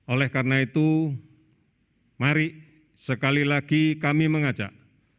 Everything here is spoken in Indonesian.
oleh karena itu mari sekali lagi kami mengajak